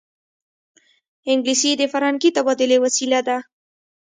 انګلیسي د فرهنګي تبادلې وسیله ده